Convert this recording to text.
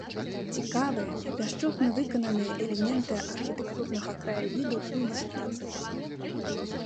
Цікавыя і пяшчотна выкананыя элементы архітэктурнага краявіду ў ілюстрацыях.